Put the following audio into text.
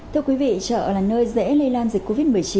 thưa quý vị chợ là nơi dễ lây lan dịch covid một mươi chín